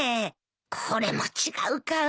これも違うか。